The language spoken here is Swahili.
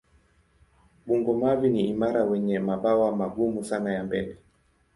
Bungo-mavi ni imara wenye mabawa magumu sana ya mbele.